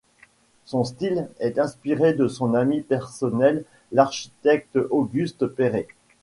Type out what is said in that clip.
Son style est inspiré de son ami personnel l'architecte Auguste Perret.